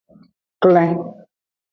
Klen.